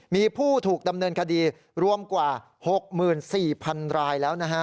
มีผู้ถูกดำเนินคดีรวมกว่า๖๔๐๐๐รายแล้วนะฮะ